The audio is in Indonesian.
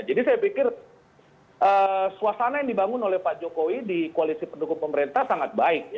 jadi saya pikir suasana yang dibangun oleh pak jokowi di koalisi pendukung pemerintah sangat baik ya